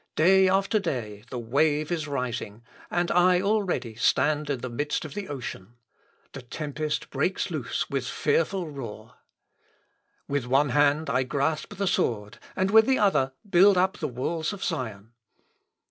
Day after day the wave is rising, and I already stand in the midst of the ocean. The tempest breaks loose with fearful roar. With one hand I grasp the sword, and with the other build up the walls of Sion.